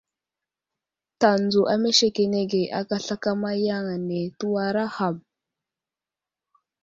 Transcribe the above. Tanzo amesekenege aka slakama yaŋ ane tewara ham.